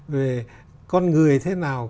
về con người thế nào